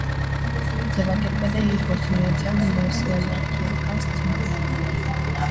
Ձևակերպել է իր գործունեության գնոսոեոլոգիական սկզբունքները։